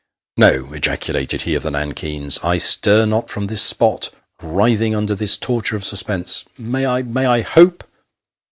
" No," ejaculated he of the nankeens ;': I stir not from this spot, writhing under this torture of suspense. May I may I hope?